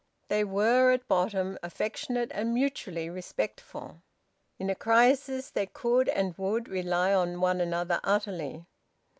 They were, at bottom, affectionate and mutually respectful. In a crisis they could and would rely on one another utterly.